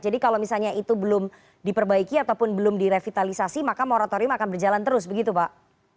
jadi kalau misalnya itu belum diperbaiki ataupun belum direvitalisasi maka moratorium akan berjalan terus begitu pak